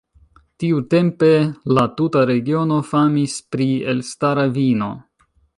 Tiutempe la tuta regiono famis pri elstara vino.